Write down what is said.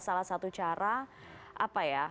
salah satu cara